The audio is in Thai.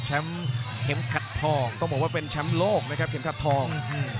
เข็มขัดทองต้องบอกว่าเป็นแชมป์โลกนะครับเข็มขัดทอง